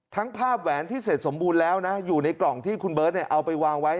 ภาพแหวนที่เสร็จสมบูรณ์แล้วนะอยู่ในกล่องที่คุณเบิร์ตเอาไปวางไว้